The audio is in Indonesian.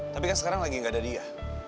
tapi kan sekarang lagi gak ada dia